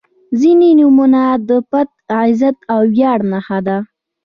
• ځینې نومونه د پت، عزت او ویاړ نښه ده.